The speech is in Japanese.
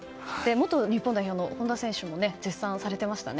元日本代表の本田選手も絶賛されていましたね。